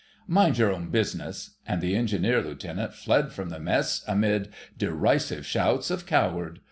"Mind your own business," and the Engineer Lieutenant fled from the Mess amid derisive shouts of "Coward!"